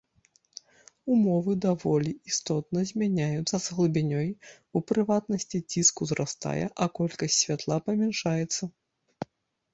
Умовы даволі істотна змяняюцца з глыбінёй, у прыватнасці ціск узрастае, а колькасць святла памяншаецца.